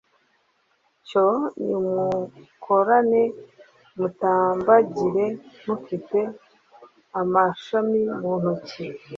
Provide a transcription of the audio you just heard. cyo nimukorane, mutambagire mufite amashami mu ntoki